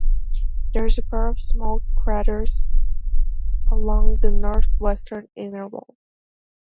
There is a pair of small craters along the northwestern inner wall.